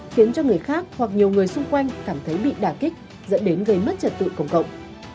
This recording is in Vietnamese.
khiến cho người khác hoặc nhiều người xung quanh cảm thấy bị đà kích dẫn đến gây mất trật tự công cộng